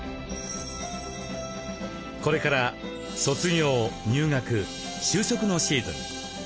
これから卒業入学就職のシーズン。